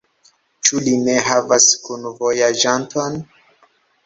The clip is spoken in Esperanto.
Ĉu li ne havas kunvojaĝanton?